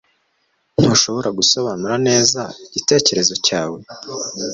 Ntushobora gusobanura neza igitekerezo cyawe?